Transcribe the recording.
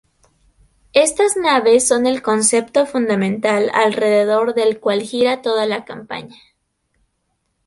Estas naves son el concepto fundamental alrededor del cual gira toda la campaña.